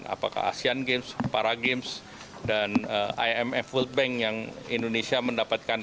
apakah asian games paragames dan imf world bank yang indonesia mendapatkan